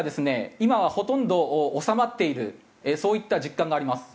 今はほとんど収まっているそういった実感があります。